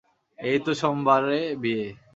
এই তো সোমবারে বিয়ে!